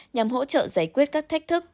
nhằm hỗ trợ giải quyết các thách thức